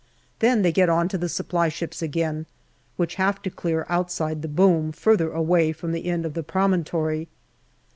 Then they get on to the supply ships again, which have to clear outside the boom, further away from the end of the promontory.